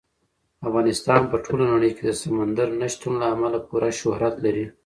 افغانستان په ټوله نړۍ کې د سمندر نه شتون له امله پوره شهرت لري.